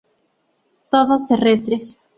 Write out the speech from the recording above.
Todos terrestres.